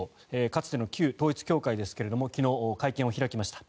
かつての旧統一教会ですが昨日、会見を開きました。